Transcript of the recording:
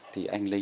thì anh lấy